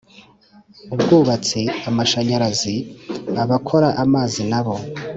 ubwubatsi amashanyarazi abakora amazi n abo